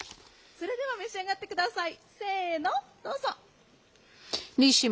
それでは召し上がってください。